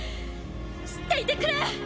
知っていてくれ。